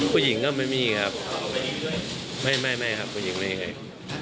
ผู้หญิงก็ไม่มีครับไม่ครับผู้หญิงไม่เคย